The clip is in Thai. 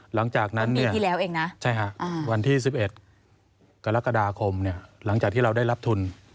หลังจากนั้นเนี่ยว่าใช่ครับวันที่๑๑กรกฎาคมเนี่ยหลังจากที่เราได้รับทุน